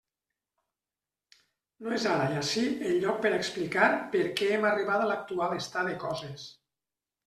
No és ara i ací el lloc per a explicar per què hem arribat a l'actual estat de coses.